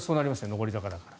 上り坂だから。